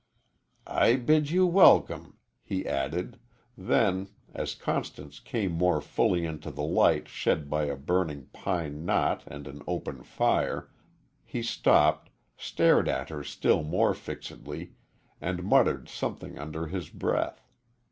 "I bid you welcome," he added, then, as Constance came more fully into the light shed by a burning pine knot and an open fire, he stopped, stared at her still more fixedly and muttered something under his breath.